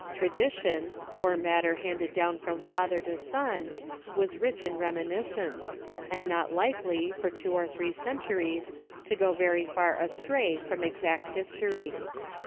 Iradition, or matter handed down from father to son, was rich in reminiscence, and not likely, for two or three centuries, to go very far astray from exact his tory.